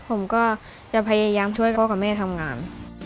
ผมก็จะพยายามช่วยพ่อกับแม่ทำงาน